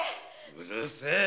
うるせえ！